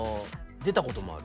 出たこともある。